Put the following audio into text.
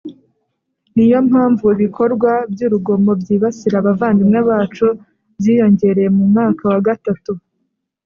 Ni yo mpamvu ibikorwa by urugomo byibasira abavandimwe bacu byiyongereye mu mwaka wa gatatu